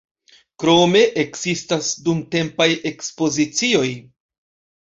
Krome ekzistas dumtempaj ekspozicioj.